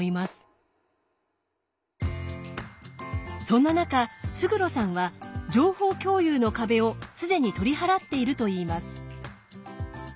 そんな中勝呂さんは情報共有の壁を既に取り払っているといいます。